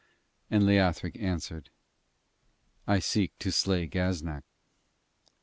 And Leothric answered: 'I seek to slay Gaznak.'